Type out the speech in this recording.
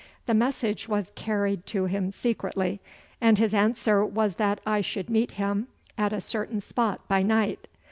The message was carried to him secretly, and his answer was that I should meet him at a certain spot by night.